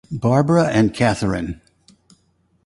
Barbara and Catherine.